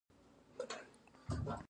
د تذکرې او پاسپورټ اخیستل اسانه وي.